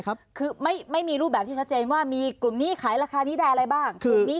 คือไม่มีรูปแบบที่ชัดเจนว่ามีกลุ่มนี้ขายราคานี้ได้อะไรบ้างกลุ่มนี้